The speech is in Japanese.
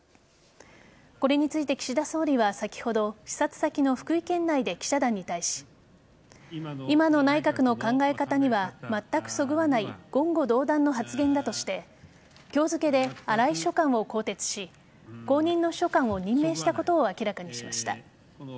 これについて岸田総理は先ほど視察先の福井県内で記者団に対し今の内閣の考え方には全くそぐわない言語道断の発言だとして今日付で荒井秘書官を更迭し後任の秘書官を任命したことを明らかにしました。